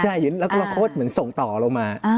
ใช่เห็นแล้วก็เราโค้ดเหมือนส่งต่อเรามา